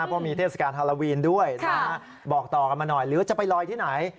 เพราะมีเทศกาลฮาโลวีนด้วยบอกต่อกันมาหน่อยหรือจะไปลอยที่ไหน